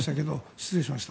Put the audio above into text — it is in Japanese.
失礼しました。